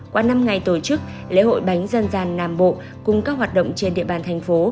qua năm ngày tổ chức lễ hội bánh dân dân gian nam bộ cùng các hoạt động trên địa bàn tp